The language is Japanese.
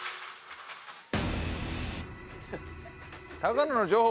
高野の情報